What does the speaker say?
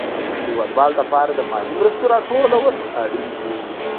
د هېوادوالو لپاره د مالي مرستو راټول اړين دي.